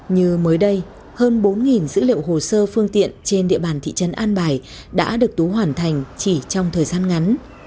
như mới đây hơn bốn dữ liệu hồ sơ phương tiện trên địa bàn thị trấn an bài đã được tú hoàn thành chỉ trong thời gian ngắn